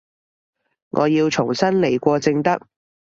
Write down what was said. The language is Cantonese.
我要重新來過正得